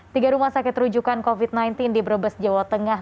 tiga rumah sakit rujukan covid sembilan belas di brebes jawa tengah